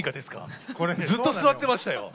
ずっと座ってましたよ。